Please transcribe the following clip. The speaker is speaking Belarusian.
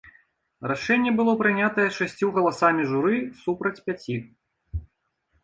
Рашэнне было прынятае шасцю галасамі журы супраць пяці.